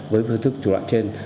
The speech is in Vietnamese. với phương thức chủ đoạn trên